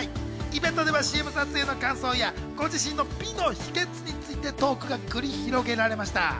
イベントではＣＭ撮影の感想や、ご自身の美の秘訣についてトークが繰り広げられました。